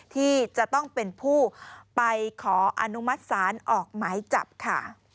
ที่จะต้องเป็นผู้ไปขออนุมัติศาลออกหมายจับค่ะ